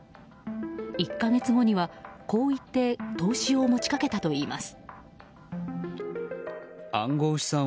１か月後には、こう言って投資を持ちかけたといいます。